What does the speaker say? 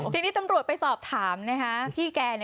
ทีนี้ตำรวจไปสอบถามพี่แก